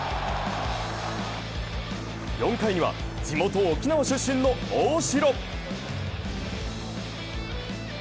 ４回には地元・沖縄出身の大城。